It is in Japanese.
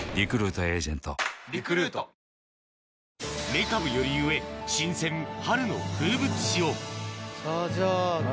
メカブより上新鮮春の風物詩をさぁじゃあ。